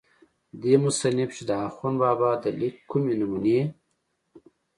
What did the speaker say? دې مصنف چې دَاخون بابا دَليک کومې نمونې